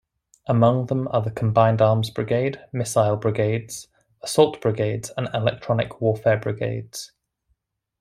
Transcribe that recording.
Among them are the combined-arms brigade, missile brigades, assault brigades and electronic warfare brigades.